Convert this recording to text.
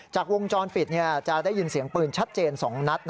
จากวงจรปิดจะได้ยินเสียงปืนชัดเจน๒นัด